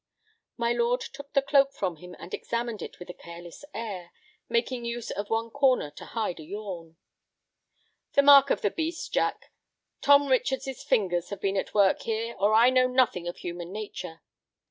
My lord took the cloak from him and examined it with a careless air, making use of one corner to hide a yawn. "The mark of the beast, Jack. Tom Richards' fingers have been at work here, or I know nothing of human nature.